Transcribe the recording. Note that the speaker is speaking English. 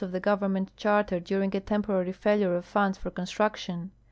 of the government charter during a tem])orary failure of funds for construction.